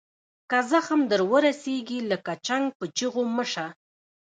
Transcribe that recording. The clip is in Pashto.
که زخم در ورسیږي لکه چنګ په چیغو مه شه.